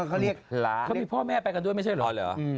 เขามีพ่อแม่ไปกันด้วยไม่ใช่เหรอ